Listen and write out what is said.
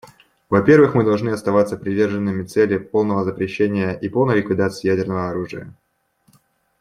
Во-первых, мы должны оставаться приверженными цели полного запрещения и полной ликвидации ядерного оружия.